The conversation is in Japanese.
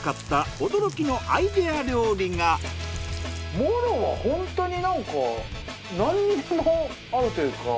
モロはホントになんか何にでも合うというか。